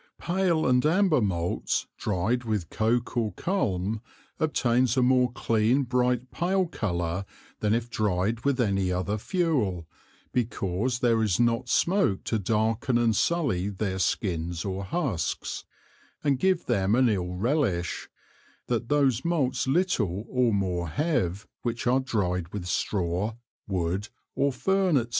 Pale and amber Malts dryed with Coak or Culm, obtains a more clean bright pale Colour than if dryed with any other Fuel, because there is not smoak to darken and sully their Skins or Husks, and give them an ill relish, that those Malts little or more have, which are dryed with Straw, Wood, or Fern, &c.